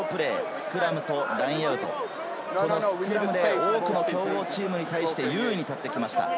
スクラムとラインアウト、スクラムで多くの強豪チームに対して優位に立ってきました。